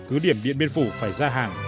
cứ điểm điện biên phủ phải ra hàng